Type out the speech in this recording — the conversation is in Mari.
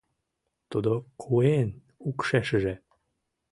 Тудо куэн укшешыже